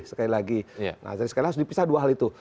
sekali lagi saya harus dipisah dua hal itu